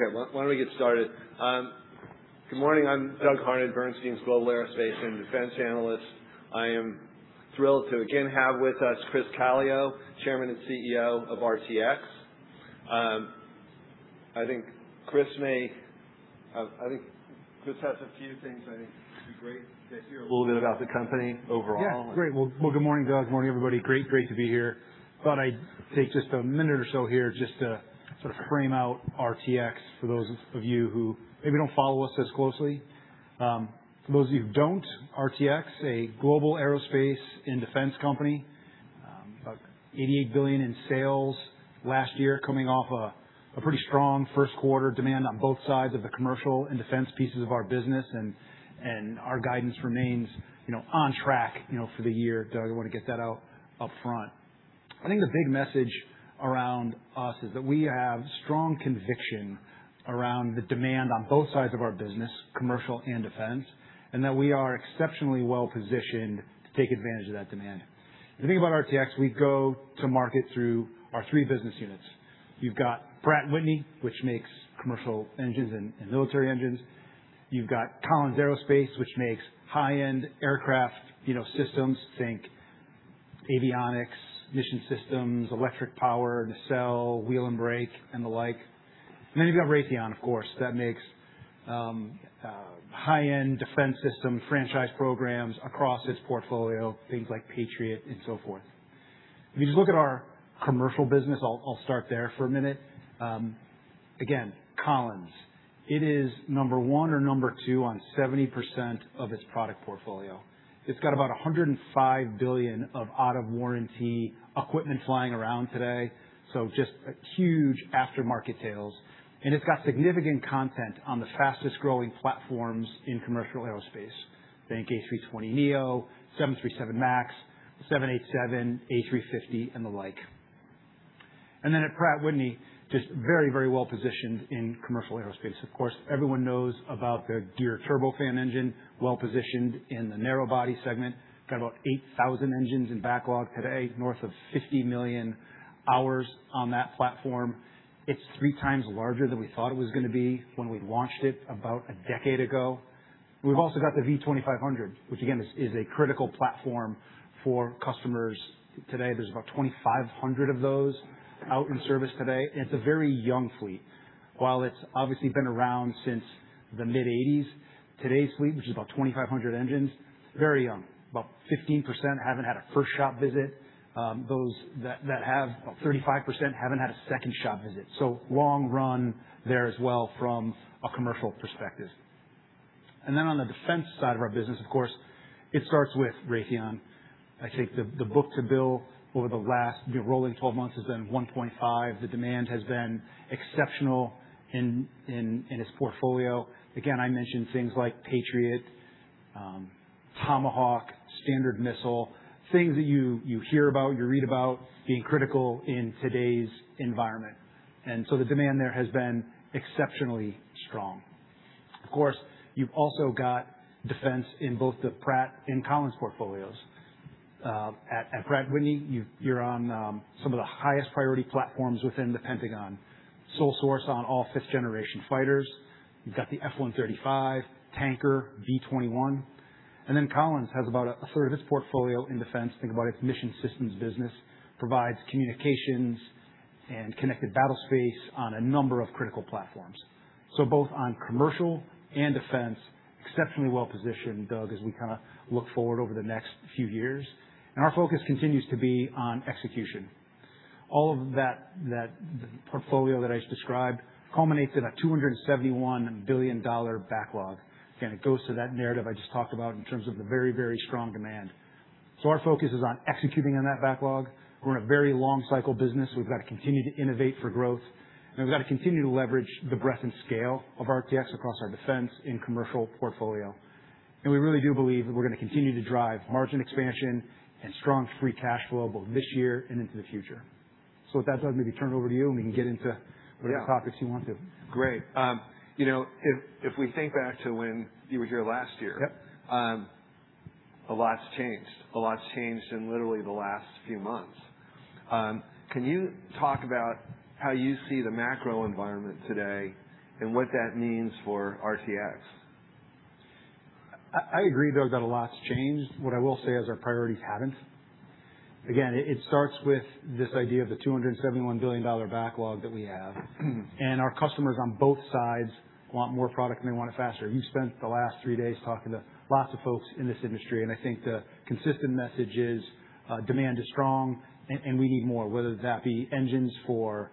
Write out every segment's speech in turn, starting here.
Okay, why don't we get started? Good morning, I'm Doug Harned, Bernstein's Global Aerospace and Defense Analyst. I am thrilled to again have with us Chris Calio, Chairman and CEO of RTX. I think just have some few things, I think it'd be great to hear a little bit about the company overall. Yeah, great. Well, good morning, Doug. Morning, everybody. Great to be here. Thought I'd take just a minute or so here just to sort of frame out RTX for those of you who maybe don't follow us as closely. For those of you who don't, RTX, a global aerospace and defense company, about $88 billion in sales last year, coming off a pretty strong first quarter demand on both sides of the commercial and defense pieces of our business, and our guidance remains on track for the year, Doug. I want to get that out up front. I think the big message around us is that we have strong conviction around the demand on both sides of our business, commercial and defense, and that we are exceptionally well positioned to take advantage of that demand. The thing about RTX, we go to market through our three business units. You've got Pratt & Whitney, which makes commercial engines and military engines. You've got Collins Aerospace, which makes high-end aircraft systems, think avionics, mission systems, electric power, nacelle, wheel and brake, and the like. You've got Raytheon, of course, that makes high-end defense system franchise programs across its portfolio, things like Patriot and so forth. If you just look at our commercial business, I'll start there for a minute. Again, Collins, it is number 1 or number 2 on 70% of its product portfolio. It's got about $105 billion of out-of-warranty equipment flying around today, so just a huge aftermarket tails. It's got significant content on the fastest-growing platforms in commercial aerospace, think A320neo, 737 MAX, 787, A350, and the like. At Pratt & Whitney, just very well positioned in commercial aerospace. Of course, everyone knows about their geared turbofan engine, well positioned in the narrowbody segment. Got about 8,000 engines in backlog today, north of 50 million hours on that platform. It's 3x larger than we thought it was going to be when we launched it about a decade ago. We've also got the V2500, which again, is a critical platform for customers today. There's about 2,500 of those out in service today, and it's a very young fleet. While it's obviously been around since the mid-1980s, today's fleet, which is about 2,500 engines, very young. About 15% haven't had a first shop visit. Those that have, about 35% haven't had a second shop visit. Long run there as well from a commercial perspective. On the defense side of our business, of course, it starts with Raytheon. I think the book to bill over the last rolling 12 months has been 1.5. The demand has been exceptional in its portfolio. Again, I mentioned things like Patriot, Tomahawk, Standard Missile, things that you hear about, you read about being critical in today's environment. The demand there has been exceptionally strong. Of course, you've also got defense in both the Pratt and Collins portfolios. At Pratt & Whitney, you're on some of the highest priority platforms within The Pentagon. Sole source on all fifth-generation fighters. You've got the F135, Tanker, B-21. Collins has about a third of its portfolio in defense. Think about its mission systems business, provides communications and connected battle space on a number of critical platforms. Both on commercial and defense, exceptionally well positioned, Doug, as we kind of look forward over the next few years. Our focus continues to be on execution. All of that portfolio that I just described culminates in a $271 billion backlog. Again, it goes to that narrative I just talked about in terms of the very strong demand. Our focus is on executing on that backlog. We're in a very long cycle business. We've got to continue to innovate for growth, and we've got to continue to leverage the breadth and scale of RTX across our defense and commercial portfolio. We really do believe that we're going to continue to drive margin expansion and strong free cash flow both this year and into the future. With that, Doug, maybe turn it over to you and we can get into whatever topics you want to. Great. If we think back to when you were here last year. Yep. A lot's changed. A lot's changed in literally the last few months. Can you talk about how you see the macro environment today and what that means for RTX? I agree, Doug, that a lot's changed. What I will say is our priorities haven't. It starts with this idea of the $271 billion backlog that we have, and our customers on both sides want more product, and they want it faster. You've spent the last three days talking to lots of folks in this industry, and I think the consistent message is demand is strong and we need more, whether that be engines for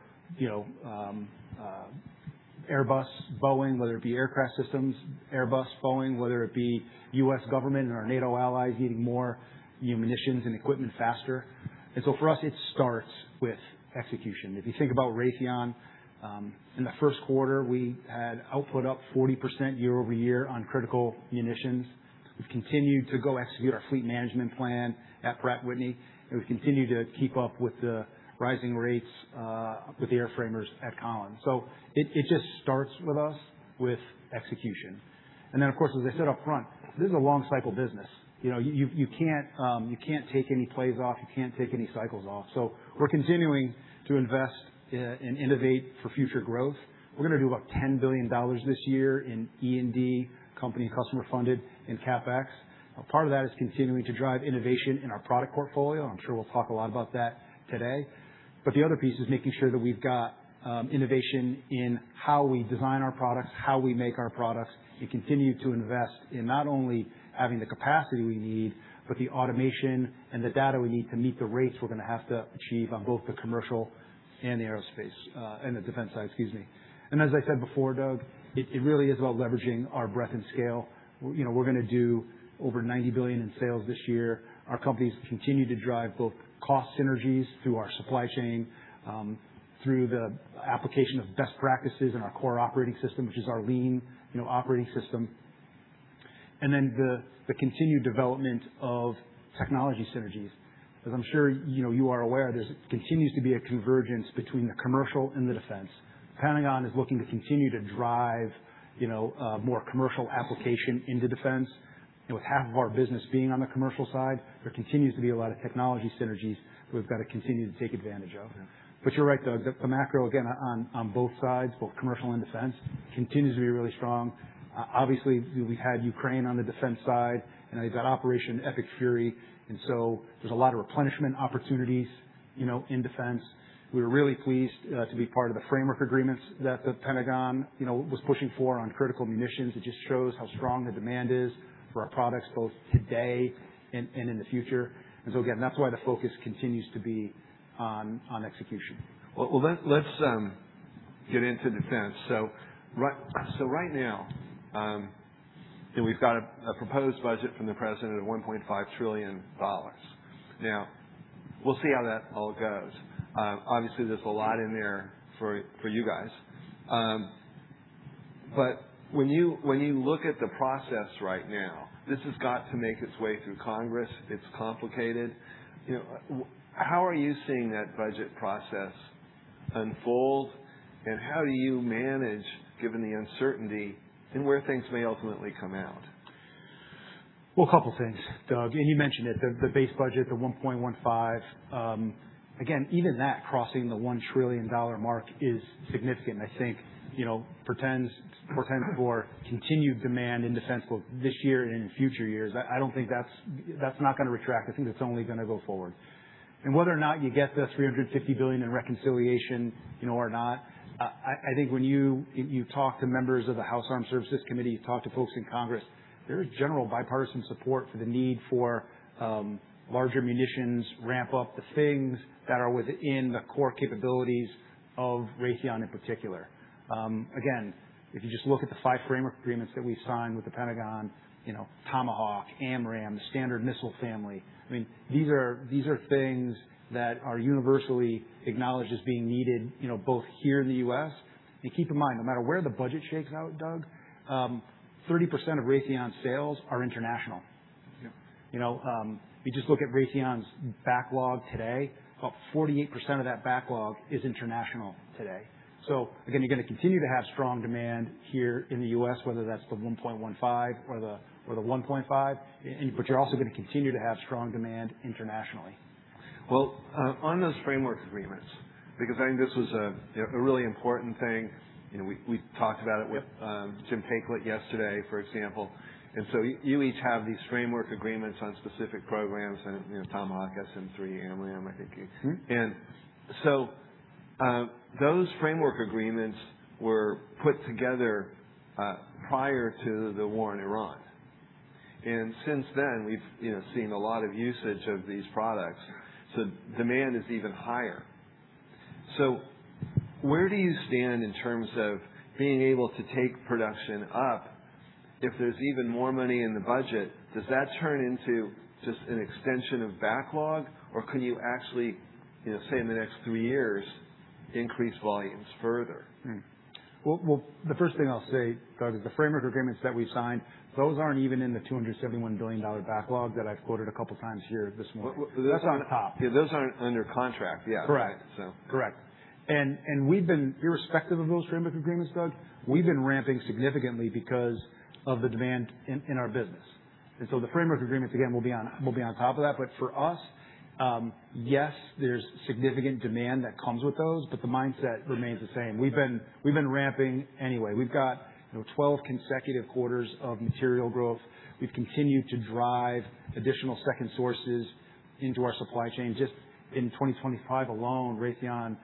Airbus, Boeing. Whether it be aircraft systems, Airbus, Boeing. Whether it be U.S. government or our NATO allies needing more munitions and equipment faster. For us, it starts with execution. If you think about Raytheon, in the first quarter, we had output up 40% year-over-year on critical munitions. We've continued to go execute our fleet management plan at Pratt & Whitney, and we continue to keep up with the rising rates with the airframers at Collins. It just starts with us with execution. Of course, as I said up front, this is a long-cycle business. You can't take any plays off. You can't take any cycles off. We're continuing to invest and innovate for future growth. We're going to do about $10 billion this year in E&D, company and customer funded in CapEx. Part of that is continuing to drive innovation in our product portfolio. I'm sure we'll talk a lot about that today. But the other piece is making sure that we've got innovation in how we design our products, how we make our products, and continue to invest in not only having the capacity we need, but the automation and the data we need to meet the rates we're going to have to achieve on both the commercial and the defense side. As I said before, Doug, it really is about leveraging our breadth and scale. We're going to do over $90 billion in sales this year. Our companies continue to drive both cost synergies through our supply chain, through the application of best practices in our core operating system, which is our lean operating system, and then the continued development of technology synergies. I'm sure you are aware, there continues to be a convergence between the commercial and the defense. Pentagon is looking to continue to drive more commercial application into defense. With half of our business being on the commercial side, there continues to be a lot of technology synergies that we've got to continue to take advantage of. Yeah. You're right, Doug. The macro, again, on both sides, both commercial and defense, continues to be really strong. Obviously, we've had Ukraine on the defense side, they've got Operation Epic Fury, there's a lot of replenishment opportunities in defense. We were really pleased to be part of the framework agreements that The Pentagon was pushing for on critical munitions. It just shows how strong the demand is for our products, both today and in the future. Again, that's why the focus continues to be on execution. Let's get into defense. Right now, we've got a proposed budget from the President of $1.5 trillion. We'll see how that all goes. Obviously, there's a lot in there for you guys. When you look at the process right now, this has got to make its way through Congress. It's complicated. How are you seeing that budget process unfold, and how do you manage, given the uncertainty in where things may ultimately come out? Well, a couple of things, Doug. You mentioned it, the base budget, the $1.15 trillion. Even that crossing the $1 trillion mark is significant, I think, portends for continued demand in defense both this year and in future years. I think that's not going to retract. I think it's only going to go forward. Whether or not you get the $350 billion in reconciliation or not, I think when you talk to members of the House Armed Services Committee, you talk to folks in Congress, there is general bipartisan support for the need for larger munitions ramp up, the things that are within the core capabilities of Raytheon in particular. If you just look at the five framework agreements that we've signed with The Pentagon, Tomahawk, AMRAAM, the Standard Missile family. These are things that are universally acknowledged as being needed both here in the U.S. Keep in mind, no matter where the budget shakes out, Doug, 30% of Raytheon's sales are international. Yeah. If you just look at Raytheon's backlog today, about 48% of that backlog is international today. Again, you're going to continue to have strong demand here in the U.S., whether that's the $1.15 trillion or the $1.5 trillion, but you're also going to continue to have strong demand internationally. Well, on those framework agreements, because I think this was a really important thing. We talked about it with Jim Taiclet yesterday, for example. You each have these framework agreements on specific programs and Tomahawk, SM-3, AMRAAM, I think. Those framework agreements were put together prior to the war in Iran. Since then, we've seen a lot of usage of these products. Demand is even higher. Where do you stand in terms of being able to take production up if there's even more money in the budget? Does that turn into just an extension of backlog, or can you actually, say, in the next three years, increase volumes further? Well, the first thing I'll say, Doug, is the framework agreements that we've signed, those aren't even in the $271 billion backlog that I've quoted a couple times here this morning. Those aren't— That's on top. Those aren't under contract, yeah. Correct. So. Correct. Irrespective of those framework agreements, Doug, we've been ramping significantly because of the demand in our business. The framework agreements, again, will be on top of that. For us, yes, there's significant demand that comes with those, but the mindset remains the same. We've been ramping anyway. We've got 12 consecutive quarters of material growth. We've continued to drive additional second sources into our supply chain. Just in 2025 alone, Raytheon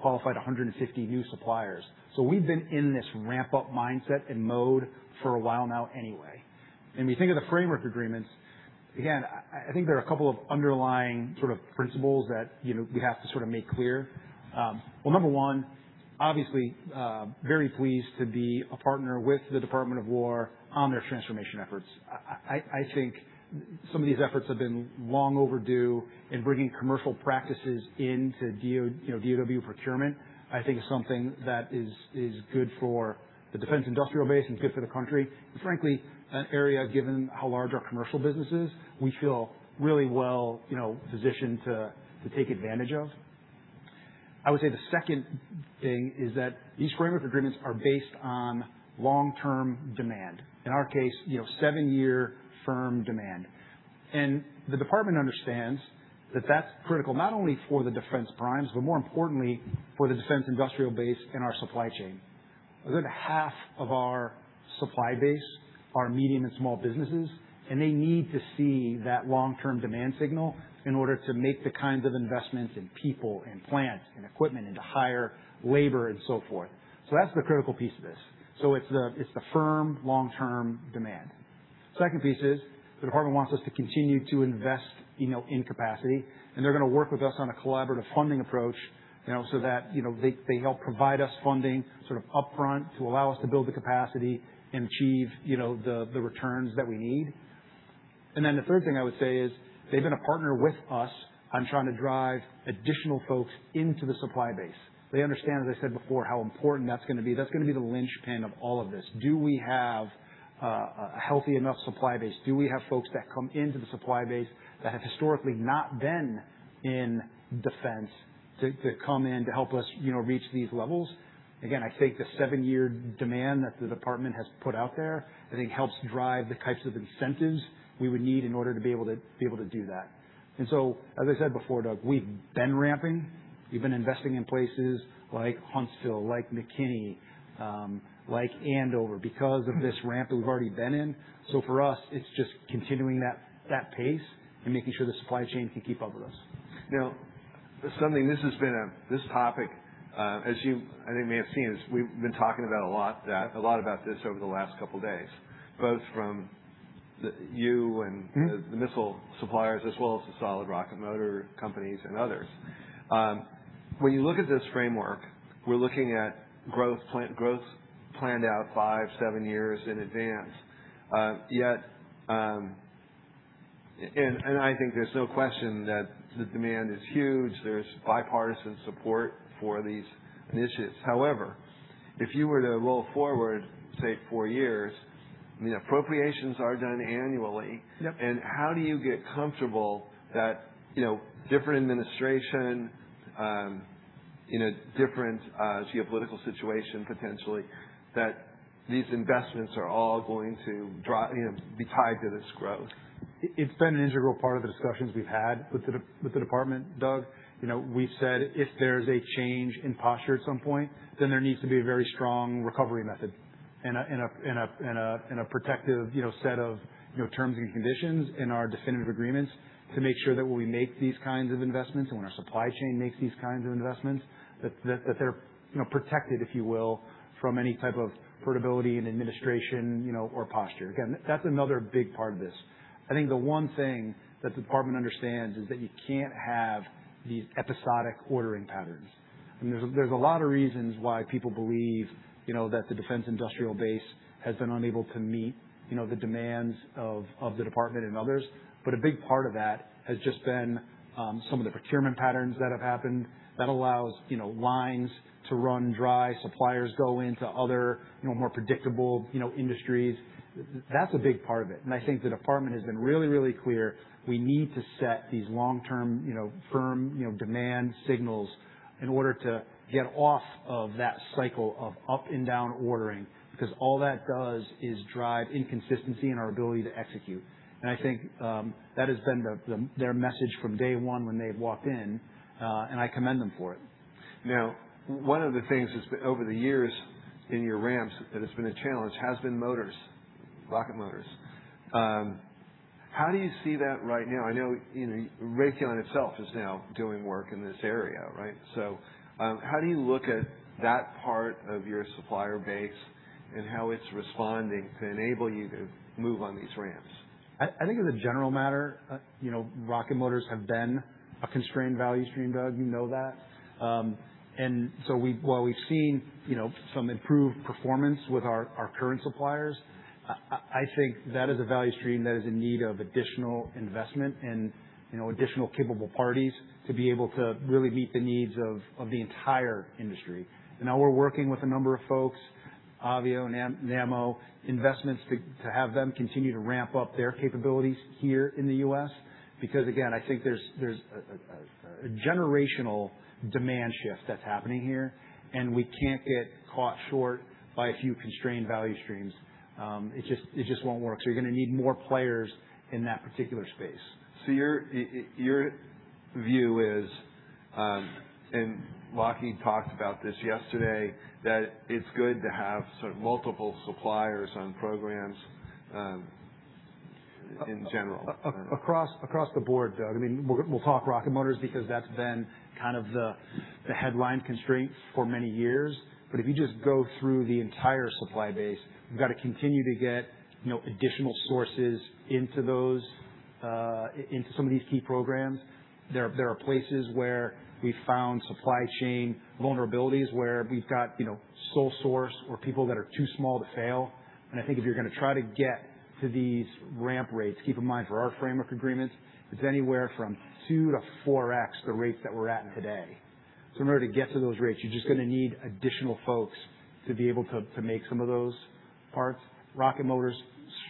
qualified 150 new suppliers. We've been in this ramp-up mindset and mode for a while now anyway. When you think of the framework agreements, again, I think there are a couple of underlying sort of principles that we have to sort of make clear. Well, number one, obviously, very pleased to be a partner with the Department of War on their transformation efforts. I think some of these efforts have been long overdue in bringing commercial practices into DOW procurement. I think it's something that is good for the defense industrial base and good for the country. Frankly, an area, given how large our commercial business is, we feel really well positioned to take advantage of. I would say the second thing is that these framework agreements are based on long-term demand, in our case, seven-year firm demand. The Department understands that that's critical not only for the defense primes, but more importantly, for the defense industrial base and our supply chain. A good half of our supply base are medium and small businesses, and they need to see that long-term demand signal in order to make the kinds of investments in people and plants and equipment, and to hire labor and so forth. That's the critical piece of this. It's the firm long-term demand. Second piece is the Department wants us to continue to invest in capacity, and they're going to work with us on a collaborative funding approach, they help provide us funding sort of upfront to allow us to build the capacity and achieve the returns that we need. The third thing I would say is they've been a partner with us on trying to drive additional folks into the supply base. They understand, as I said before, how important that's going to be. That's going to be the linchpin of all of this. Do we have a healthy enough supply base? Do we have folks that come into the supply base that have historically not been in defense to come in to help us reach these levels? Again, I think the seven-year demand that the department has put out there, I think helps drive the types of incentives we would need in order to be able to do that. As I said before, Doug, we've been ramping. We've been investing in places like Huntsville, like McKinney, like Andover because of this ramp that we've already been in. For us, it's just continuing that pace and making sure the supply chain can keep up with us. This topic, as you, I think may have seen, is we've been talking about a lot about this over the last couple days, both from you and the missile suppliers as well as the solid rocket motor companies and others. When you look at this framework, we're looking at growth planned out five, seven years in advance. I think there's no question that the demand is huge. There's bipartisan support for these initiatives. However, if you were to roll forward, say, four years, I mean, appropriations are done annually. Yep. How do you get comfortable that different administration, different geopolitical situation potentially, that these investments are all going to be tied to this growth? It's been an integral part of the discussions we've had with the Department, Doug. We've said if there's a change in posture at some point, then there needs to be a very strong recovery method and a protective set of terms and conditions in our definitive agreements to make sure that when we make these kinds of investments and when our supply chain makes these kinds of investments, that they're protected, if you will, from any type of portability and administration or posture. That's another big part of this. I think the one thing that the Department understands is that you can't have these episodic ordering patterns. I mean, there's a lot of reasons why people believe that the defense industrial base has been unable to meet the demands of the Department and others. A big part of that has just been some of the procurement patterns that have happened that allows lines to run dry. Suppliers go into other more predictable industries. That's a big part of it. I think the Department has been really clear. We need to set these long-term firm demand signals in order to get off of that cycle of up and down ordering, because all that does is drive inconsistency in our ability to execute. I think that has been their message from day one when they've walked in. I commend them for it. One of the things is over the years in your ramps that has been a challenge has been motors, rocket motors. How do you see that right now? I know Raytheon itself is now doing work in this area, right? How do you look at that part of your supplier base and how it's responding to enable you to move on these ramps? I think as a general matter, rocket motors have been a constrained value stream, Doug. You know that. While we've seen some improved performance with our current suppliers, I think that is a value stream that is in need of additional investment and additional capable parties to be able to really meet the needs of the entire industry. Now we're working with a number of folks, Avio and Nammo, investments to have them continue to ramp up their capabilities here in the U.S. because, again, I think there's a generational demand shift that's happening here, and we can't get caught short by a few constrained value streams. It just won't work. You're going to need more players in that particular space. Your view is, and Lockheed talked about this yesterday, that it's good to have sort of multiple suppliers on programs in general. Across the board, Doug. I mean, we'll talk rocket motors because that's been kind of the headline constraint for many years. If you just go through the entire supply base, we've got to continue to get additional sources into some of these key programs. There are places where we've found supply chain vulnerabilities, where we've got sole source or people that are too small to fail. I think if you're going to try to get to these ramp rates, keep in mind, for our framework agreements, it's anywhere from 2x-4x the rates that we're at today. In order to get to those rates, you're just going to need additional folks to be able to make some of those parts. Rocket motors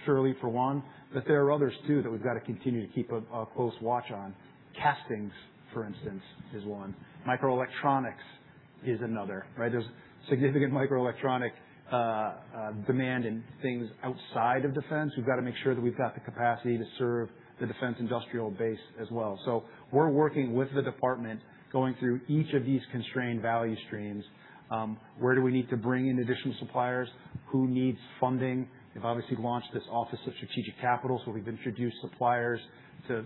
surely for one, but there are others too that we've got to continue to keep a close watch on. Castings, for instance, is one. Microelectronics is another. There's significant microelectronic demand in things outside of defense. We've got to make sure that we've got the capacity to serve the defense industrial base as well. We're working with the department, going through each of these constrained value streams. Where do we need to bring in additional suppliers? Who needs funding? We've obviously launched this Office of Strategic Capital, we've introduced suppliers to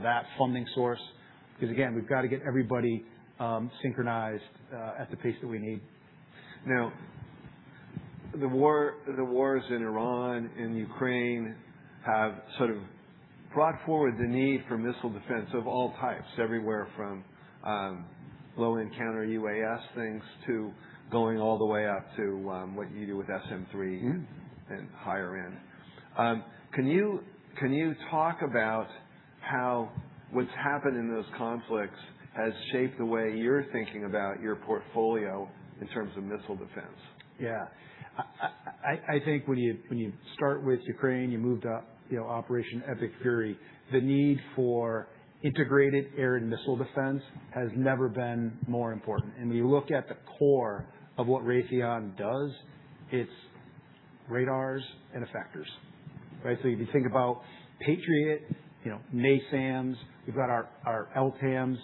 that funding source because, again, we've got to get everybody synchronized at the pace that we need. The wars in Iran and Ukraine have sort of brought forward the need for missile defense of all types, everywhere from low-end counter-UAS things to going all the way up to what you do with SM-3 and higher end. Can you talk about how what's happened in those conflicts has shaped the way you're thinking about your portfolio in terms of missile defense? Yeah. I think when you start with Ukraine, you moved up Operation Epic Fury. The need for integrated air and missile defense has never been more important. When you look at the core of what Raytheon does, it's radars and effectors. If you think about Patriot, NASAMS, we've got our LTAMDS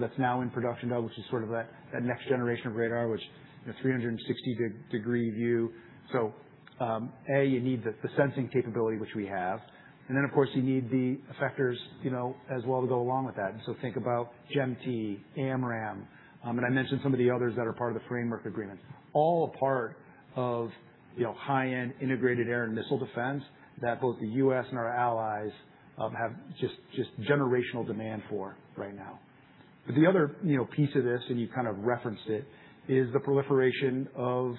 that's now in production, Doug, which is sort of that next generation of radar, which 360-degree view. A, you need the sensing capability, which we have, and then of course, you need the effectors as well to go along with that. Think about GEM-T, AMRAAM. I mentioned some of the others that are part of the framework agreement. All a part of high-end integrated air and missile defense that both the U.S. and our allies have just generational demand for right now. The other piece of this, and you've kind of referenced it, is the proliferation of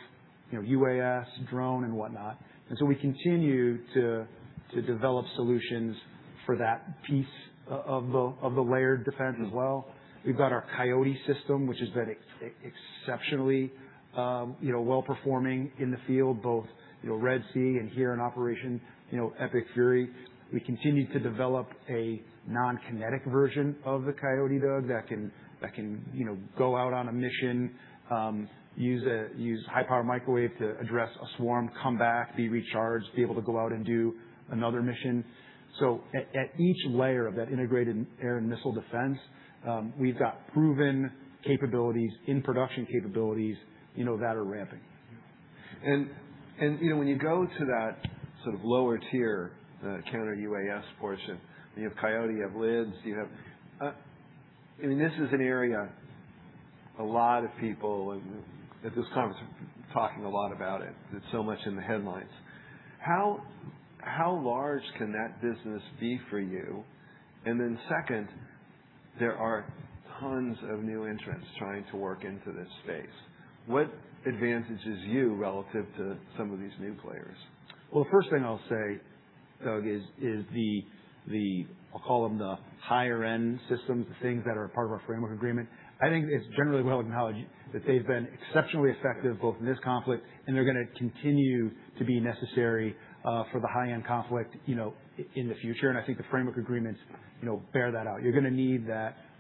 UAS, drone, and whatnot. We continue to develop solutions for that piece of the layered defense as well. We've got our Coyote system, which has been exceptionally well-performing in the field, both Red Sea and here in Operation Epic Fury. We continue to develop a non-kinetic version of the Coyote, Doug, that can go out on a mission, use high-power microwave to address a swarm, come back, be recharged, be able to go out and do another mission. At each layer of that integrated air and missile defense, we've got proven capabilities, in production capabilities that are ramping. When you go to that sort of lower tier, the counter-UAS portion, when you have Coyote, you have LIDS. This is an area a lot of people at this conference are talking a lot about it. It's so much in the headlines. How large can that business be for you? Second, there are tons of new entrants trying to work into this space. What advantages you relative to some of these new players? Well, first thing I'll say, Doug, is I'll call them the higher-end systems, the things that are a part of our framework agreement. I think it's generally well acknowledged that they've been exceptionally effective both in this conflict, and they're going to continue to be necessary for the high-end conflict in the future. I think the framework agreements bear that out. You're going to need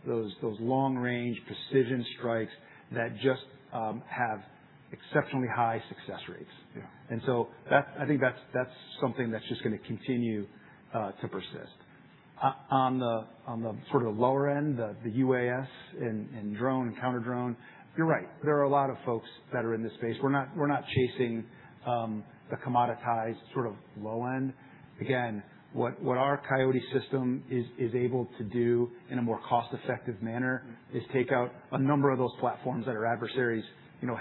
those long-range precision strikes that just have exceptionally high success rates. Yeah. I think that's something that's just going to continue to persist. On the sort of lower end, the UAS and drone and counter-drone, you're right. There are a lot of folks that are in this space. We're not chasing the commoditized sort of low end. Again, what our Coyote system is able to do in a more cost-effective manner is take out a number of those platforms that our adversaries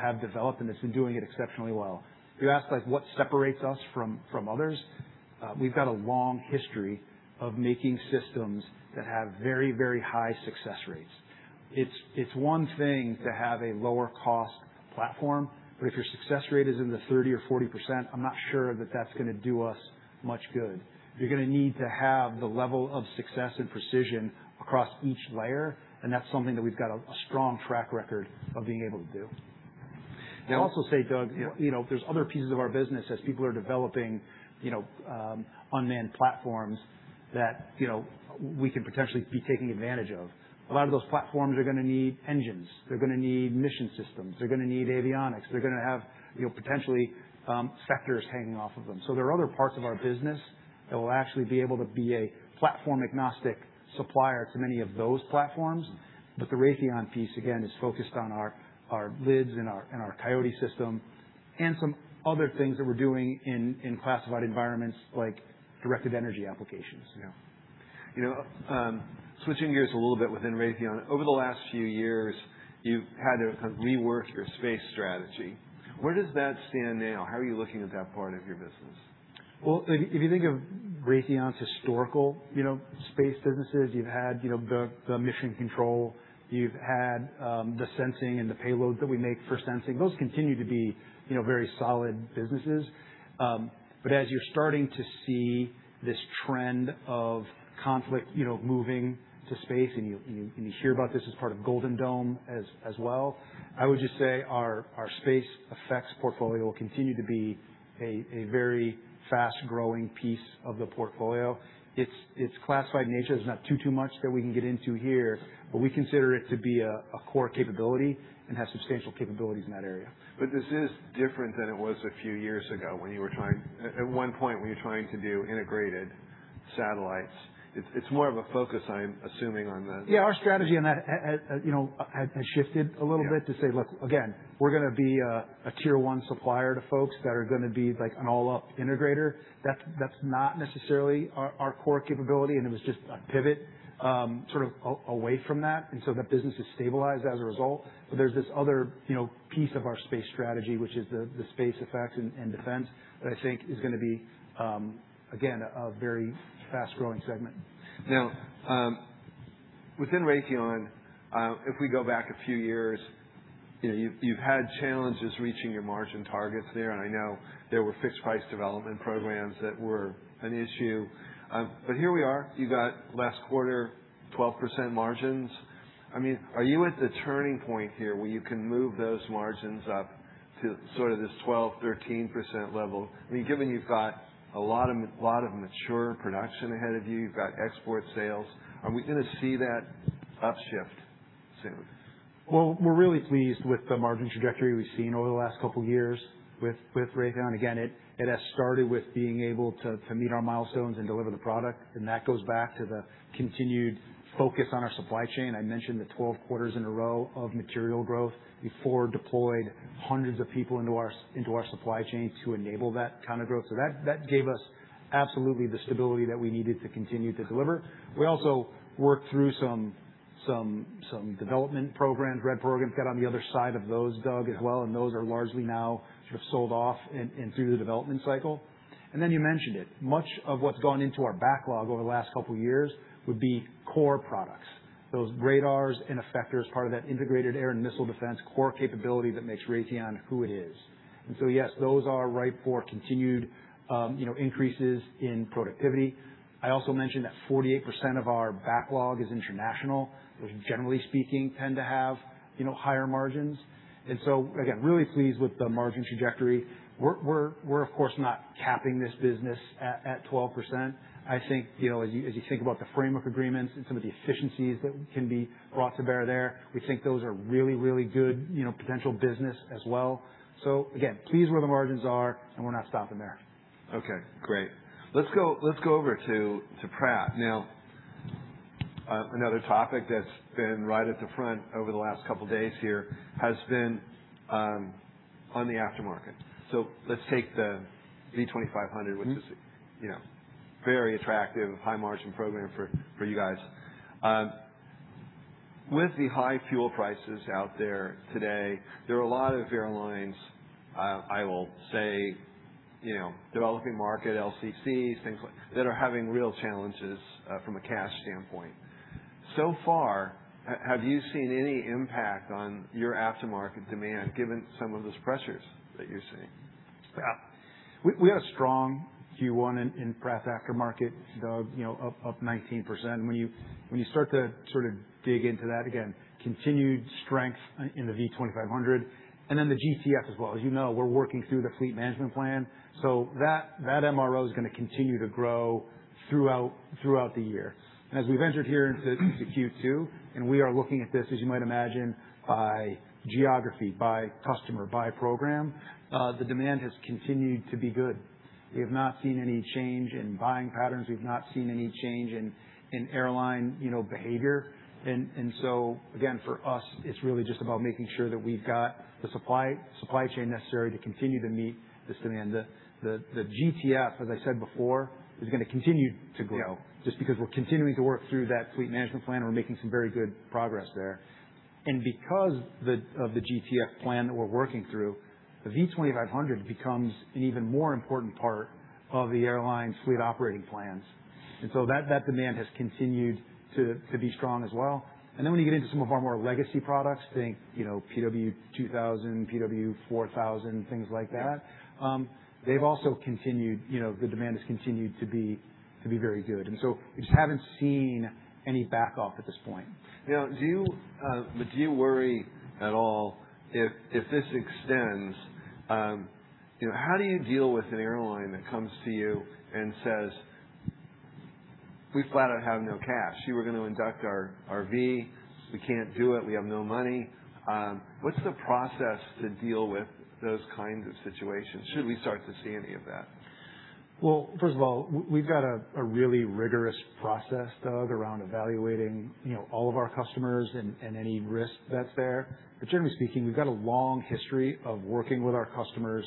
have developed, and it's been doing it exceptionally well. If you ask what separates us from others, we've got a long history of making systems that have very high success rates. It's one thing to have a lower-cost platform, but if your success rate is in the 30% or 40%, I'm not sure that that's going to do us much good. You're going to need to have the level of success and precision across each layer, and that's something that we've got a strong track record of being able to do. Yeah. I'd also say, Doug, there's other pieces of our business as people are developing unmanned platforms that we can potentially be taking advantage of. A lot of those platforms are going to need engines. They're going to need mission systems. They're going to need avionics. They're going to have potentially effectors hanging off of them. There are other parts of our business that will actually be able to be a platform-agnostic supplier to many of those platforms. The Raytheon piece, again, is focused on our LIDS and our Coyote system and some other things that we're doing in classified environments like directed energy applications. Yeah. Switching gears a little bit within Raytheon. Over the last few years, you've had to kind of rework your space strategy. Where does that stand now? How are you looking at that part of your business? If you think of Raytheon's historical space businesses, you've had the mission control. You've had the sensing and the payload that we make for sensing. Those continue to be very solid businesses. As you're starting to see this trend of conflict moving to space, and you hear about this as part of Golden Dome as well, I would just say our space effects portfolio will continue to be a very fast-growing piece of the portfolio. Its classified nature, there's not too much that we can get into here, but we consider it to be a core capability and have substantial capabilities in that area. This is different than it was a few years ago when you were trying to do integrated satellites. It's more of a focus, I'm assuming, on the— Yeah, our strategy on that has shifted a little bit to say, look, again, we're going to be a Tier 1 supplier to folks that are going to be an all-up integrator. That's not necessarily our core capability, and it was just a pivot sort of away from that. That business has stabilized as a result. There's this other piece of our space strategy, which is the space effects and defense that I think is going to be, again, a very fast-growing segment. Within Raytheon, if we go back a few years, you've had challenges reaching your margin targets there, and I know there were fixed-price development programs that were an issue. Here we are. You got last quarter, 12% margins. Are you at the turning point here where you can move those margins up to sort of this 12%-13% level? Given you've got a lot of mature production ahead of you've got export sales. Are we going to see that upshift soon? We're really pleased with the margin trajectory we've seen over the last couple of years with Raytheon. It has started with being able to meet our milestones and deliver the product, and that goes back to the continued focus on our supply chain. I mentioned the 12 quarters in a row of material growth. We forward deployed hundreds of people into our supply chain to enable that kind of growth. That gave us absolutely the stability that we needed to continue to deliver. We also worked through some development programs, DRED programs, got on the other side of those, Doug, as well, and those are largely now sort of sold off and through the development cycle. You mentioned it. Much of what's gone into our backlog over the last couple of years would be core products. Those radars and effectors, part of that integrated air and missile defense core capability that makes Raytheon who it is. Yes, those are ripe for continued increases in productivity. I also mentioned that 48% of our backlog is international, which generally speaking, tend to have higher margins. Again, really pleased with the margin trajectory. We're, of course, not capping this business at 12%. I think, as you think about the framework agreements and some of the efficiencies that can be brought to bear there, we think those are really, really good potential business as well. Again, pleased where the margins are, and we're not stopping there. Okay, great. Let's go over to Pratt. Another topic that's been right at the front over the last couple of days here has been on the aftermarket. Let's take the V2500, which is a very attractive high-margin program for you guys. With the high fuel prices out there today, there are a lot of airlines, I will say, developing market LCCs, things like that are having real challenges from a cash standpoint. So far, have you seen any impact on your aftermarket demand given some of those pressures that you're seeing? Yeah. We had a strong Q1 in Pratt aftermarket, Doug, up 19%. When you start to sort of dig into that, again, continued strength in the V2500 and then the GTF as well. As you know, we're working through the fleet management plan. That MRO is going to continue to grow throughout the year. As we've entered here into Q2, and we are looking at this, as you might imagine, by geography, by customer, by program, the demand has continued to be good. We have not seen any change in buying patterns. We've not seen any change in airline behavior. Again, for us, it's really just about making sure that we've got the supply chain necessary to continue to meet this demand. The GTF, as I said before, is going to continue to grow just because we're continuing to work through that fleet management plan, and we're making some very good progress there. Because of the GTF plan that we're working through, the V2500 becomes an even more important part of the airline's fleet operating plans. That demand has continued to be strong as well. When you get into some of our more legacy products, think PW2000, PW4000, things like that, they've also continued, the demand has continued to be very good. We just haven't seen any back off at this point. Do you worry at all if this extends—how do you deal with an airline that comes to you and says, "We flat out have no cash. You were going to induct our V. We can't do it. We have no money." What's the process to deal with those kinds of situations should we start to see any of that? First of all, we've got a really rigorous process, Doug, around evaluating all of our customers and any risk that's there. Generally speaking, we've got a long history of working with our customers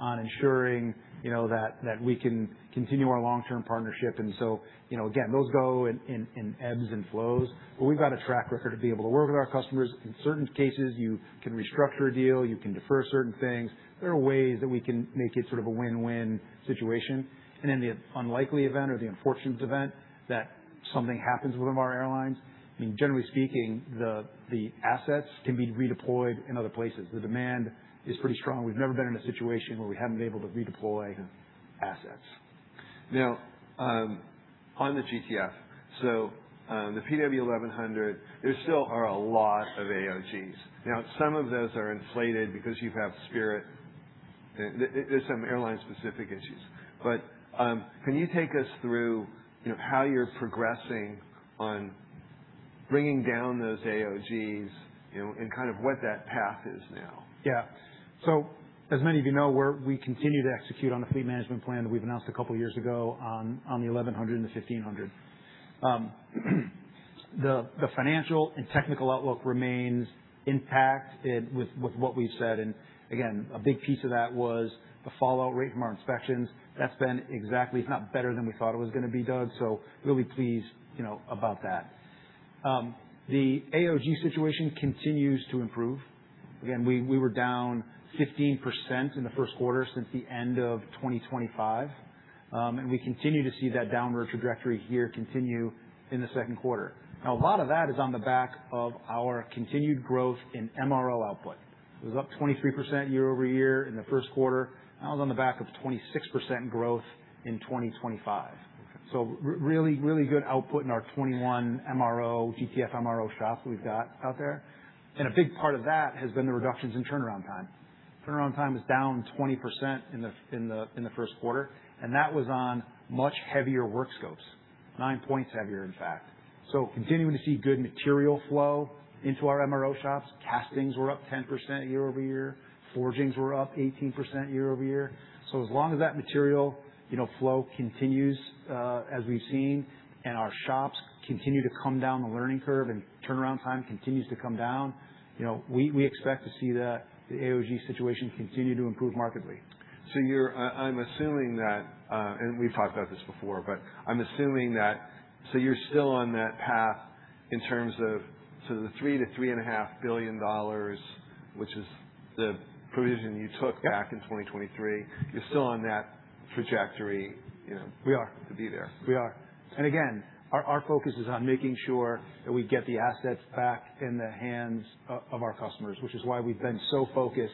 on ensuring that we can continue our long-term partnership. Again, those go in ebbs and flows, we've got a track record to be able to work with our customers. In certain cases, you can restructure a deal, you can defer certain things. There are ways that we can make it sort of a win-win situation. In the unlikely event or the unfortunate event that something happens with one of our airlines, generally speaking, the assets can be redeployed in other places. The demand is pretty strong. We've never been in a situation where we haven't been able to redeploy assets. On the GTF, so the PW1100, there still are a lot of AOGs. Some of those are inflated because you have Spirit. There's some airline-specific issues. Can you take us through how you're progressing on bringing down those AOGs and what that path is now. Yeah. As many of you know, we continue to execute on the fleet management plan that we've announced a couple of years ago on the 1100 and the 1500. The financial and technical outlook remains intact with what we've said. Again, a big piece of that was the fallout rate from our inspections. That's been exactly, if not better than we thought it was going to be, Doug, so really pleased about that. The AOG situation continues to improve. Again, we were down 15% in the first quarter since the end of 2025. We continue to see that downward trajectory here continue in the second quarter. Now, a lot of that is on the back of our continued growth in MRO output. It was up 23% year-over-year in the first quarter. That was on the back of 26% growth in 2025. Really good output in our 21 GTF MRO shops we've got out there. A big part of that has been the reductions in turnaround time. Turnaround time was down 20% in the first quarter, and that was on much heavier work scopes, nine points heavier, in fact. Continuing to see good material flow into our MRO shops. Castings were up 10% year-over-year. Forgings were up 18% year-over-year. As long as that material flow continues, as we've seen, and our shops continue to come down the learning curve and turnaround time continues to come down, we expect to see the AOG situation continue to improve markedly. I'm assuming that, and we've talked about this before, but I'm assuming that you're still on that path in terms of the $3 billion-$3.5 billion, which is the provision you took back in 2023. You're still on that trajectory— We are. To be there. We are. Again, our focus is on making sure that we get the assets back in the hands of our customers, which is why we've been so focused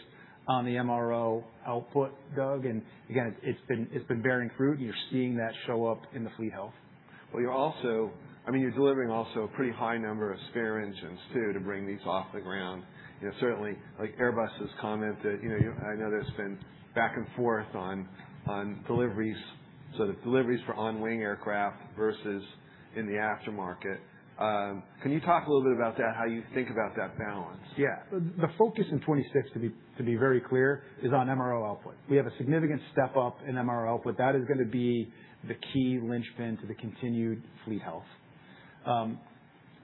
on the MRO output, Doug. Again, it's been bearing fruit, and you're seeing that show up in the fleet health. Well, you're delivering also a pretty high number of spare engines, too, to bring these off the ground. Certainly, like Airbus has commented, I know there's been back and forth on deliveries, so the deliveries for on-wing aircraft versus in the aftermarket. Can you talk a little bit about that, how you think about that balance? Yeah. The focus in 2026, to be very clear, is on MRO output. We have a significant step-up in MRO output. That is going to be the key linchpin to the continued fleet health.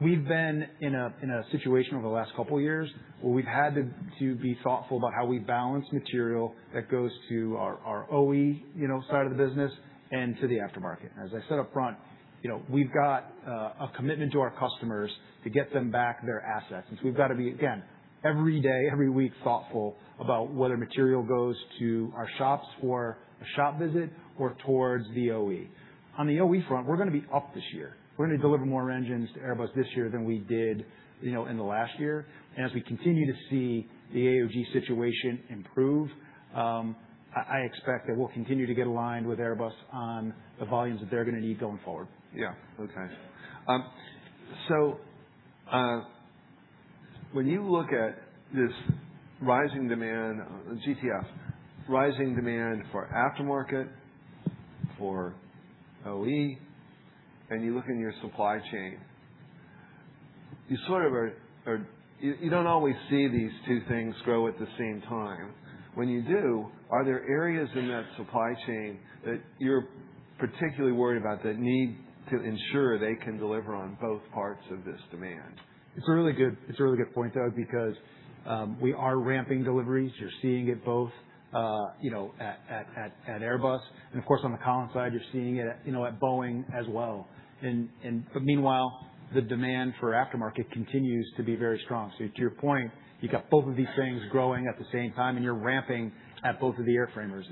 We've been in a situation over the last couple of years where we've had to be thoughtful about how we balance material that goes to our OE side of the business and to the aftermarket. As I said up front, we've got a commitment to our customers to get them back their assets. We've got to be, again, every day, every week, thoughtful about whether material goes to our shops for a shop visit or towards the OE. On the OE front, we're going to be up this year. We're going to deliver more engines to Airbus this year than we did in the last year. As we continue to see the AOG situation improve, I expect that we'll continue to get aligned with Airbus on the volumes that they're going to need going forward. Yeah. Okay. When you look at this rising demand, GTF, rising demand for aftermarket, for OE, and you look in your supply chain, you don't always see these two things grow at the same time. When you do, are there areas in that supply chain that you're particularly worried about that need to ensure they can deliver on both parts of this demand? It's a really good point, Doug, because we are ramping deliveries. You're seeing it both at Airbus and of course, on the Collins side, you're seeing it at Boeing as well. Meanwhile, the demand for aftermarket continues to be very strong. To your point, you've got both of these things growing at the same time, and you're ramping at both of the airframers.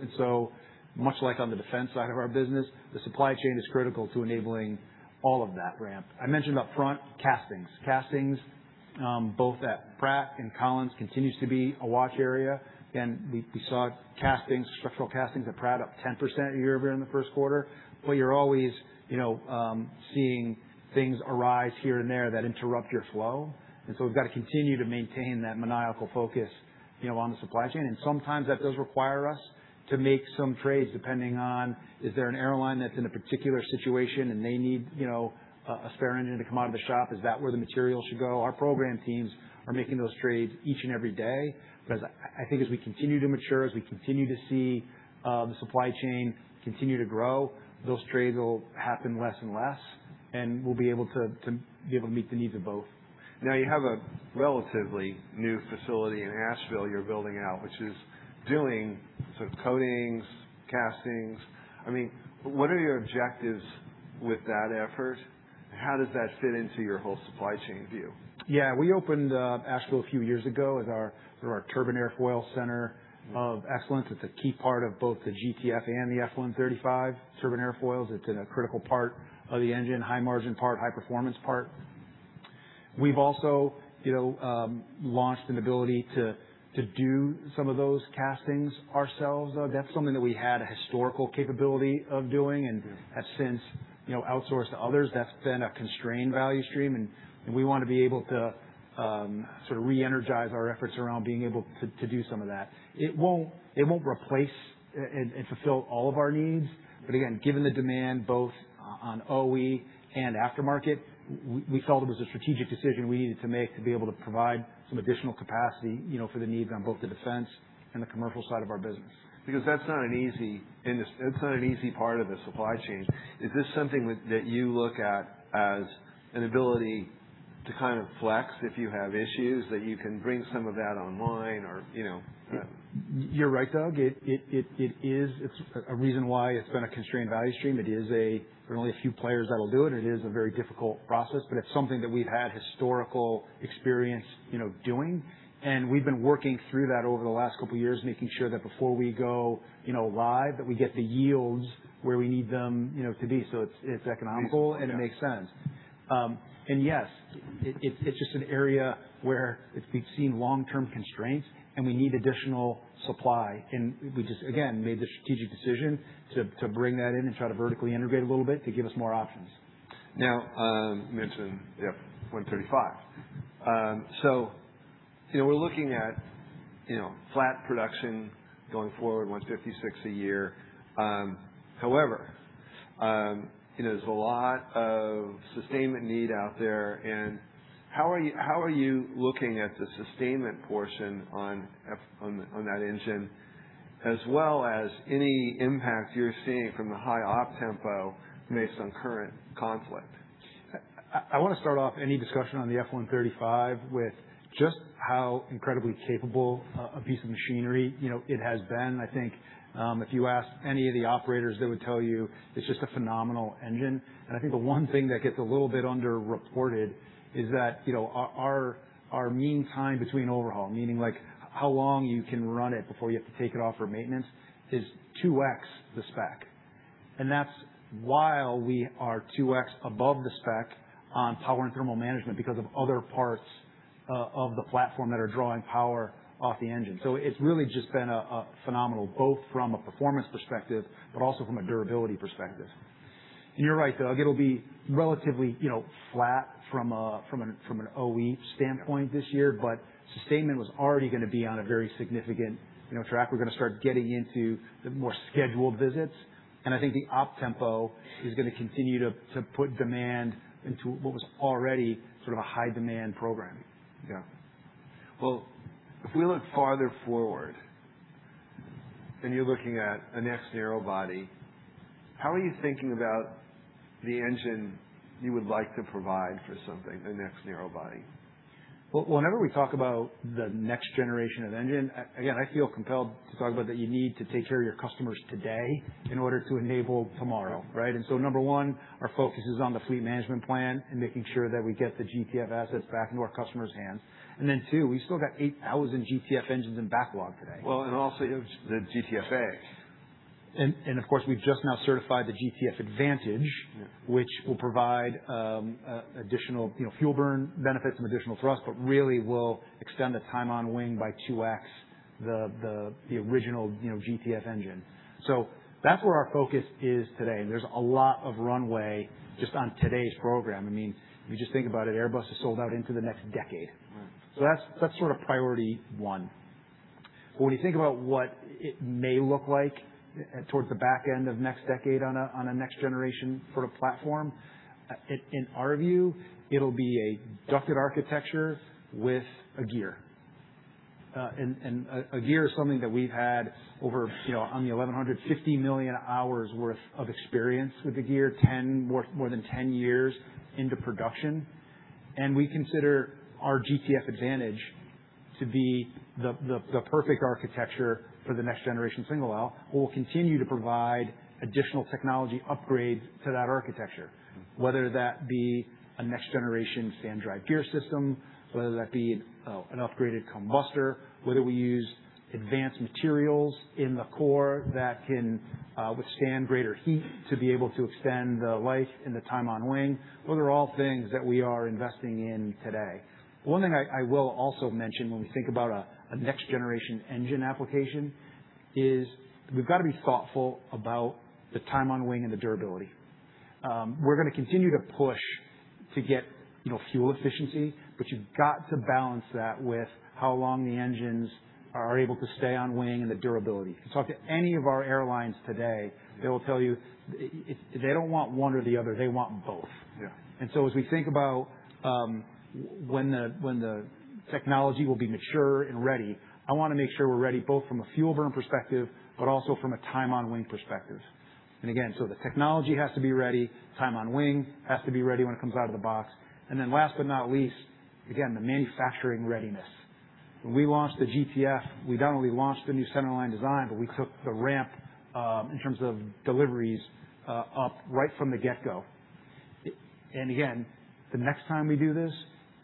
Much like on the defense side of our business, the supply chain is critical to enabling all of that ramp. I mentioned up front, castings. Castings, both at Pratt and Collins, continues to be a watch area. Again, we saw structural castings at Pratt up 10% year-over-year in the first quarter. You're always seeing things arise here and there that interrupt your flow. We've got to continue to maintain that maniacal focus on the supply chain. Sometimes that does require us to make some trades depending on is there an airline that's in a particular situation and they need a spare engine to come out of the shop? Is that where the material should go? Our program teams are making those trades each and every day. I think as we continue to mature, as we continue to see the supply chain continue to grow, those trades will happen less and less, and we'll be able to meet the needs of both. You have a relatively new facility in Asheville you're building out, which is doing sort of coatings, castings. What are your objectives with that effort? How does that fit into your whole supply chain view? Yeah. We opened up Asheville a few years ago as our sort of our turbine airfoil center of excellence. It's a key part of both the GTF and the F135 turbine airfoils. It's been a critical part of the engine, high margin part, high-performance part. We've also launched an ability to do some of those castings ourselves, though. That's something that we had a historical capability of doing and have since outsourced to others. That's been a constrained value stream, and we want to be able to sort of re-energize our efforts around being able to do some of that. It won't replace and fulfill all of our needs. Again, given the demand on OE and aftermarket, we felt it was a strategic decision we needed to make to be able to provide some additional capacity for the needs on both the defense and the commercial side of our business. That's not an easy part of the supply chain. Is this something that you look at as an ability to flex if you have issues, that you can bring some of that online? You're right, Doug. It's a reason why it's been a constrained value stream. There are only a few players that'll do it. It is a very difficult process, but it's something that we've had historical experience doing, and we've been working through that over the last couple of years, making sure that before we go live, that we get the yields where we need them to be so it's economical, and it makes sense. Yes, it's just an area where we've seen long-term constraints, and we need additional supply, and we just, again, made the strategic decision to bring that in and try to vertically integrate a little bit to give us more options. You mentioned F135. We're looking at flat production going forward, 156 a year. However, there's a lot of sustainment need out there, and how are you looking at the sustainment portion on that engine as well as any impact you're seeing from the high op tempo based on current conflict? I want to start off any discussion on the F135 with just how incredibly capable a piece of machinery it has been. I think, if you ask any of the operators, they would tell you it's just a phenomenal engine, and I think the one thing that gets a little bit under-reported is that our mean time between overhaul, meaning how long you can run it before you have to take it off for maintenance, is 2x the spec. That's while we are 2x above the spec on power and thermal management because of other parts of the platform that are drawing power off the engine. It's really just been phenomenal, both from a performance perspective, but also from a durability perspective. You're right, Doug, it'll be relatively flat from an OE standpoint this year, but sustainment was already going to be on a very significant track. We're going to start getting into the more scheduled visits, and I think the op tempo is going to continue to put demand into what was already sort of a high-demand program. Yeah. Well, if we look farther forward, and you're looking at the next narrowbody, how are you thinking about the engine you would like to provide for something, the next narrowbody? Well, whenever we talk about the next generation of engine, again, I feel compelled to talk about that you need to take care of your customers today in order to enable tomorrow, right? Number one, our focus is on the fleet management plan and making sure that we get the GTF assets back into our customers' hands, two, we still got 8,000 GTF engines in backlog today. Well, and also, you have the GTF A. Of course, we've just now certified the GTF Advantage. Yeah. Which will provide additional fuel burn benefits and additional thrust, really will extend the time on wing by 2x the original GTF engine. That's where our focus is today, and there's a lot of runway just on today's program. If you just think about it, Airbus is sold out into the next decade. Right. That's sort of priority one. When you think about what it may look like towards the back end of next decade on a next generation sort of platform, in our view, it'll be a ducted architecture with a gear. A gear is something that we've had over on the 1,150 million hours worth of experience with the gear, more than 10 years into production. We consider our GTF Advantage to be the perfect architecture for the next-generation single aisle. We will continue to provide additional technology upgrades to that architecture, whether that be a next-generation fan-drive gear system, whether that be an upgraded combustor, whether we use advanced materials in the core that can withstand greater heat to be able to extend the life and the time on wing. Those are all things that we are investing in today. One thing I will also mention when we think about a next-generation engine application is we've got to be thoughtful about the time on wing and the durability. We're going to continue to push to get fuel efficiency, you've got to balance that with how long the engines are able to stay on wing and the durability. If you talk to any of our airlines today, they will tell you they don't want one or the other, they want both. Yeah. As we think about when the technology will be mature and ready, I want to make sure we're ready both from a fuel burn perspective, but also from a time on wing perspective. Again, the technology has to be ready, time on wing has to be ready when it comes out of the box, and then last but not least, again, the manufacturing readiness. When we launched the GTF, we not only launched the new center line design, but we took the ramp, in terms of deliveries, up right from the get-go. Again, the next time we do this,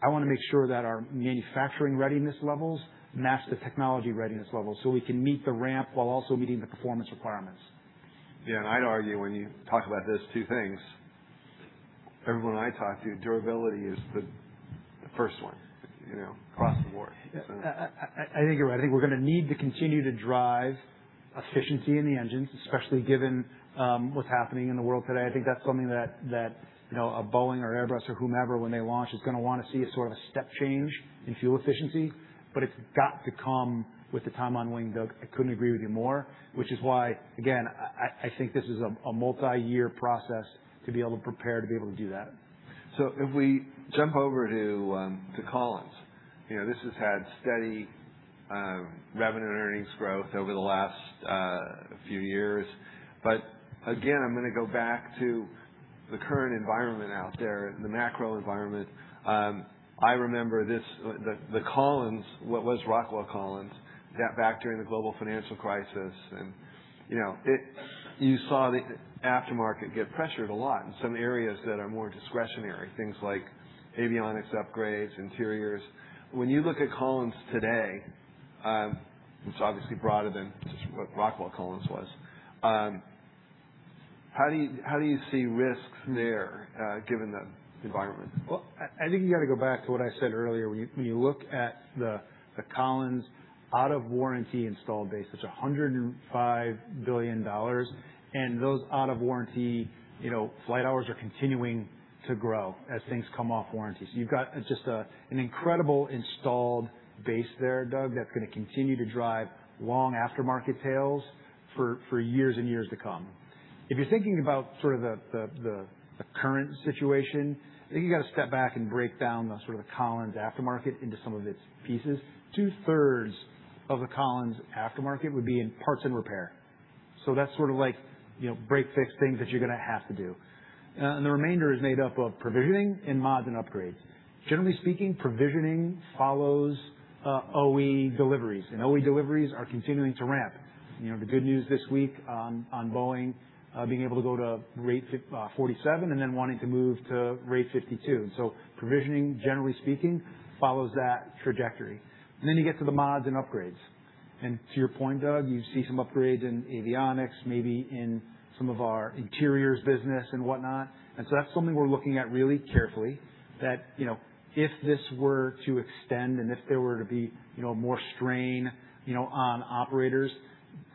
I want to make sure that our manufacturing readiness levels match the technology readiness levels, so we can meet the ramp while also meeting the performance requirements. Yeah, I'd argue when you talk about those two things, everyone I talk to, durability is the first one across the board. I think you're right. I think we're going to need to continue to drive efficiency in the engines, especially given what's happening in the world today. I think that's something that a Boeing or Airbus or whomever, when they launch, is going to want to see a sort of a step change in fuel efficiency. It's got to come with the time on wing, Doug. I couldn't agree with you more, which is why, again, I think this is a multi-year process to be able to prepare to be able to do that. If we jump over to Collins. This has had steady revenue and earnings growth over the last few years. Again, I'm going to go back to the current environment out there, the macro environment. I remember the Collins, what was Rockwell Collins, back during the global financial crisis, and you saw the aftermarket get pressured a lot in some areas that are more discretionary, things like avionics upgrades, interiors. When you look at Collins today, it's obviously broader than just what Rockwell Collins was. How do you see risks there, given the environment? Well, I think you got to go back to what I said earlier. When you look at the Collins out-of-warranty installed base, it's $105 billion. Those out-of-warranty flight hours are continuing to grow as things come off warranty. You've got just an incredible installed base there, Doug, that's going to continue to drive long aftermarket tails for years and years to come. If you're thinking about the current situation, I think you got to step back and break down the Collins aftermarket into some of its pieces. Two-thirds of the Collins aftermarket would be in parts and repair. That's like break, fix things that you're going to have to do. The remainder is made up of provisioning and mods and upgrades. Generally speaking, provisioning follows OE deliveries, and OE deliveries are continuing to ramp. The good news this week on Boeing being able to go to rate 47 then wanting to move to rate 52. Provisioning, generally speaking, follows that trajectory. Then you get to the mods and upgrades. To your point, Doug, you see some upgrades in avionics, maybe in some of our interiors business and whatnot. That's something we're looking at really carefully, that if this were to extend and if there were to be more strain on operators,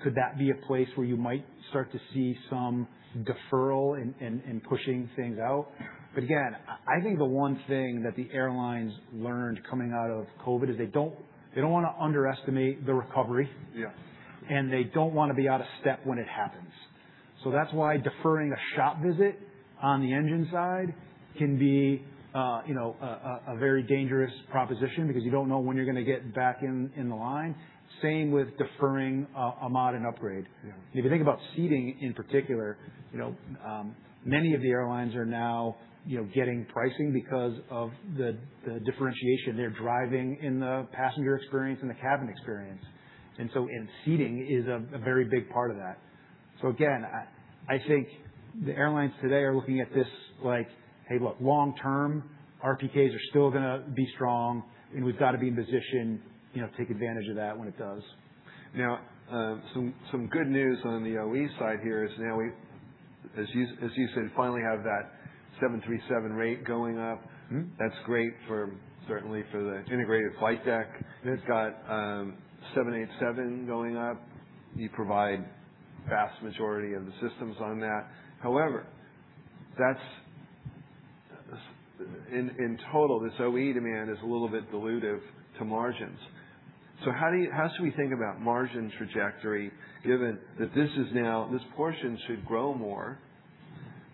could that be a place where you might start to see some deferral in pushing things out? Again, I think the one thing that the airlines learned coming out of COVID is they don't want to underestimate the recovery. Yeah. They don't want to be out of step when it happens. That's why deferring a shop visit on the engine side can be a very dangerous proposition because you don't know when you're going to get back in the line. Same with deferring a mod and upgrade. Yeah. If you think about seating in particular, many of the airlines are now getting pricing because of the differentiation they're driving in the passenger experience and the cabin experience. Seating is a very big part of that. Again, I think the airlines today are looking at this like, "Hey, look, long term, RPKs are still going to be strong, and we've got to be in position, take advantage of that when it does. Some good news on the OE side here is now we, as you said, finally have that 737 rate going up. That's great, certainly for the integrated flight deck. It's got 787 going up. You provide vast majority of the systems on that. However, in total, this OE demand is a little bit dilutive to margins. How should we think about margin trajectory given that this portion should grow more?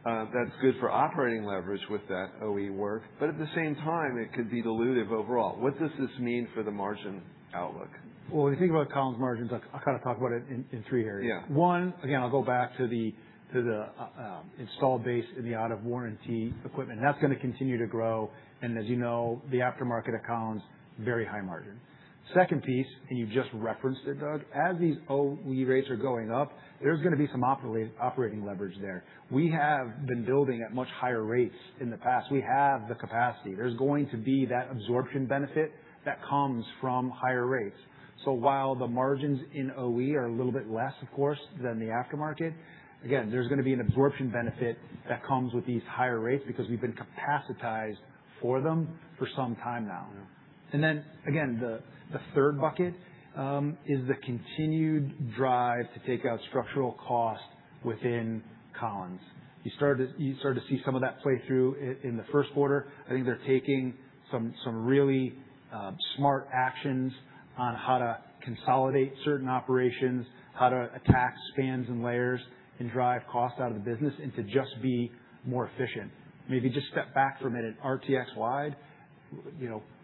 That's good for operating leverage with that OE work, but at the same time, it could be dilutive overall. What does this mean for the margin outlook? Well, when you think about Collins margins, I kind of talk about it in three areas. Yeah. Again, I'll go back to the installed base and the out-of-warranty equipment. That's going to continue to grow, as you know, the aftermarket at Collins, very high margin. Second piece, and you've just referenced it, Doug, as these OE rates are going up, there's going to be some operating leverage there. We have been building at much higher rates in the past. We have the capacity. There's going to be that absorption benefit that comes from higher rates. While the margins in OE are a little bit less, of course, than the aftermarket, again, there's going to be an absorption benefit that comes with these higher rates because we've been capacitized for them for some time now. Yeah. Again, the third bucket, is the continued drive to take out structural cost within Collins. You started to see some of that play through in the first quarter. I think they're taking some really smart actions on how to consolidate certain operations, how to attack spans and layers and drive cost out of the business, and to just be more efficient. Maybe just step back for a minute, RTX-wide,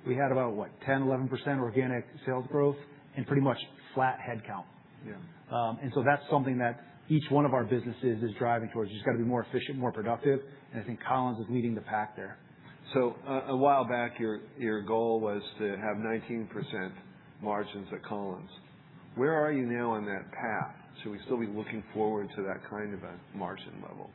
we had about, what, 10%, 11% organic sales growth and pretty much flat headcount. Yeah. That's something that each one of our businesses is driving towards. You just got to be more efficient, more productive, and I think Collins is leading the pack there. A while back, your goal was to have 19% margins at Collins. Where are you now on that path? Should we still be looking forward to that kind of a margin level?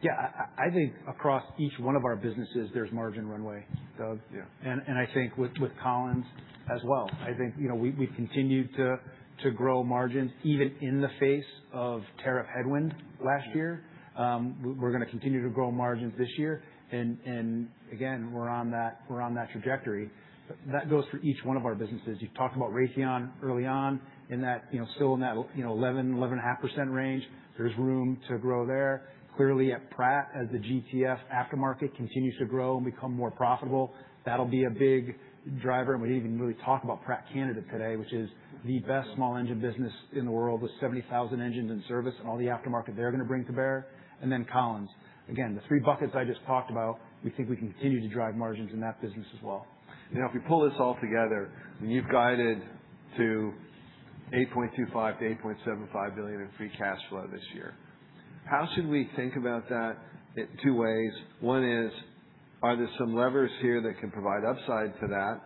I think across each one of our businesses, there's margin runway, Doug. Yeah. I think with Collins as well. I think we've continued to grow margins even in the face of tariff headwind last year. We're going to continue to grow margins this year, and again, we're on that trajectory. That goes for each one of our businesses. You've talked about Raytheon early on, still in that 11%, 11.5% range. There's room to grow there. Clearly at Pratt, as the GTF aftermarket continues to grow and become more profitable, that'll be a big driver. We didn't even really talk about Pratt & Whitney Canada today, which is the best small engine business in the world, with 70,000 engines in service and all the aftermarket they're going to bring to bear. Collins. Again, the three buckets I just talked about, we think we can continue to drive margins in that business as well. If you pull this all together, and you've guided to $8.25 billion-$8.75 billion in free cash flow this year, how should we think about that in two ways? One is, are there some levers here that can provide upside to that?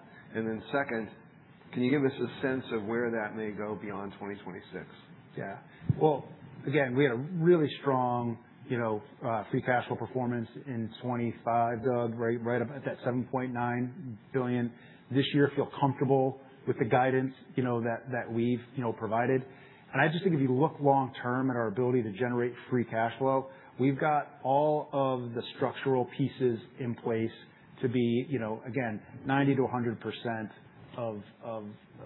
Second, can you give us a sense of where that may go beyond 2026? Yeah. Well, again, we had a really strong free cash flow performance in 2025, Doug, right up at that $7.9 billion. This year, feel comfortable with the guidance that we've provided. I just think if you look long-term at our ability to generate free cash flow, we've got all of the structural pieces in place to be, again, 90%-100% of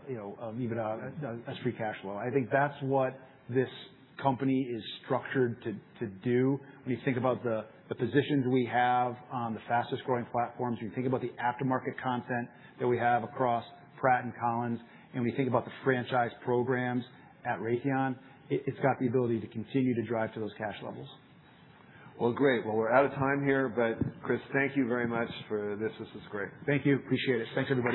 EBITDA as free cash flow. I think that's what this company is structured to do when you think about the positions we have on the fastest-growing platforms, when you think about the aftermarket content that we have across Pratt and Collins, and when you think about the franchise programs at Raytheon, it's got the ability to continue to drive to those cash levels. Well, great. Well, we're out of time here. Chris, thank you very much for this. This was great. Thank you. Appreciate it. Thanks, everybody.